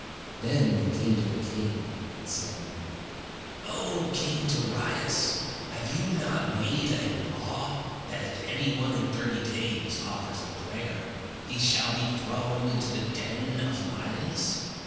Then they came to the king, and said: "O King Darius, have you not made a law, that if any one in thirty days offers a prayer, he shall be thrown into the den of lions?"